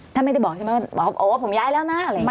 ถ้าไม่ได้บอกใช่ไหมบอกว่าผมย้ายแล้วนะ